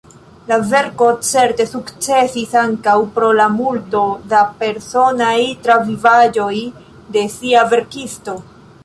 La verko certe sukcesis ankaŭ pro la multo da personaj travivaĵoj de sia verkisto.